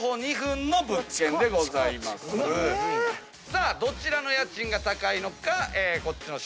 さあどちらの家賃が高いのかこっちの。